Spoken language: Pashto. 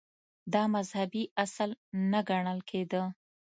• دا مذهبي اصل نه ګڼل کېده.